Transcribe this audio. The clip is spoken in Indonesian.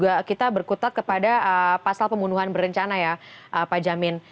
juga kita berkutat kepada pasal pembunuhan berencana ya pak jamin